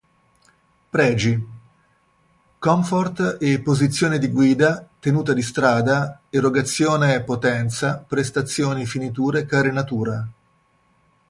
Pregi: Comfort e posizione di guida, tenuta di strada, erogazione potenza, prestazioni, finiture carenatura.